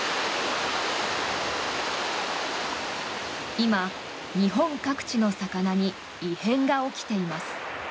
今、日本各地の魚に異変が起きています。